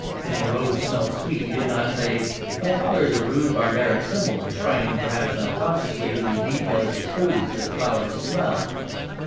When the rose smelt sweet you did not say "My father is a rude, barbaric symbol, enshrining (perhaps unconsciously) the deep delicate truths that flowers smell."